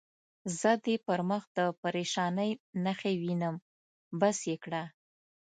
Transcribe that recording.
زه دې پر مخ د پرېشانۍ نښې وینم، بس یې کړه.